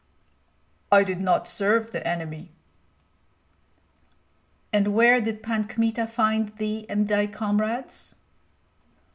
"I did not serve the enemy." "And where did Pan Kmita find thee and thy comrades?"